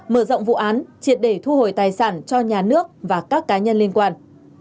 mở rộng vụ án triệt để thu hồi tài sản cho nhà nước và các cá nhân liên quan